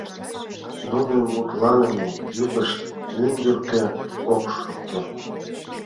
Нунын мутланыме йӱкышт мӱндыркӧ ок шокто.